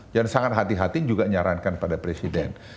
dan sangat hati hati juga nyarankan pada presiden